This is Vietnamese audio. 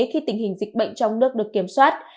khi tình hình dịch bệnh trong nước được kiểm soát